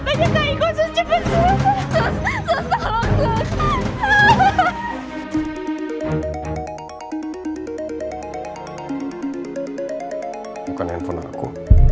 bukan handphone aku